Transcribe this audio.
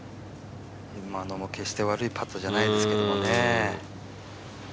今のも決して悪いパットじゃないですけどね。